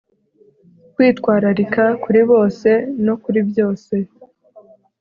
kwitwararika kuri bose no kuri byose